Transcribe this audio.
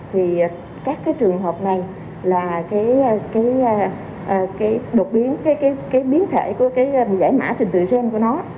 thì các cái trường hợp này là cái biến thể của cái giải mã trình tự gen của nó